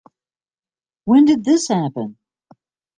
When did this happen?